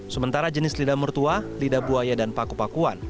sementara jenis lidah mertua lidah buaya dan paku pakuan